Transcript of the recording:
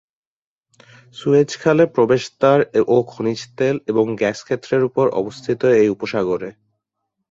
Suez খালে প্রবেশদ্বার ও খনিজ তেল এবং গ্যাস ক্ষেত্রের উপরে অবস্থিত এই উপসাগরে।